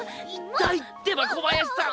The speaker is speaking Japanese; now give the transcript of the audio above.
痛いってば小林さん！